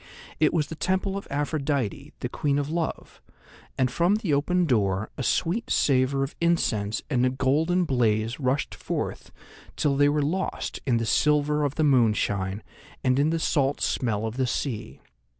It was the Temple of Aphrodite, the Queen of Love, and from the open door a sweet savour of incense and a golden blaze rushed forth till they were lost in the silver of the moonshine and in the salt smell of the sea.